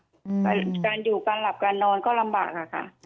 การอยู่การหลับการนอนก็ลำบากอะค่ะ